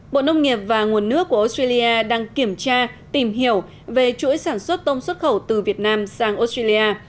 bộ nông nghiệp và nguồn nước của australia đang kiểm tra tìm hiểu về chuỗi sản xuất tôm xuất khẩu từ việt nam sang australia